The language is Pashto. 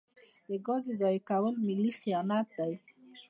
د ګازو ضایع کول ملي خیانت دی.